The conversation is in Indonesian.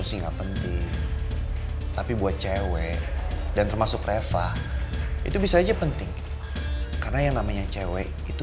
sehingga penting tapi buat cewek dan termasuk reva itu bisa aja penting karena yang namanya cewek itu